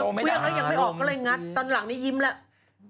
เครื่องแล้วยังไม่ออกก็เลยงัดตอนหลังนี้ยิ้มแล้ว